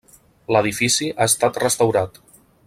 L'edifici ha estat restaurat.